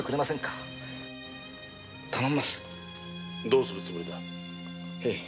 どうするつもりだ？